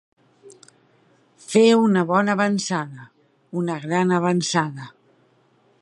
Fer una bona avançada, una gran avançada.